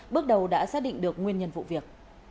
bước đầu đã xác định được nguyên nhân vụ việc